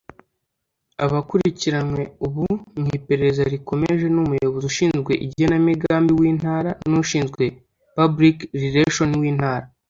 Abakurikiranywe ubu mu iperereza rikomeje ni ‘Umuyobozi ushinzwe igenamigambi’ w’intara n’ushinzwe ‘public relation’ w’Intara